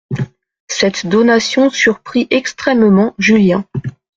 Cette donation surprit extrêmement Julien.